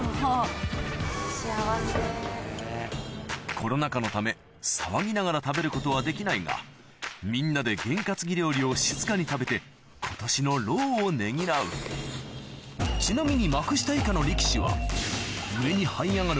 コロナ禍のため騒ぎながら食べることはできないがみんなでゲン担ぎ料理を静かに食べて今年の労をねぎらうちなみに幕下以下の力士は上にはい上がる